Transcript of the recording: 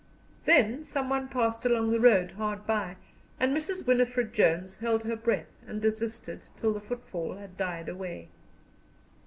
Then someone passed along the road hard by, and Mrs. Winifred Jones held her breath, and desisted till the footfall had died away.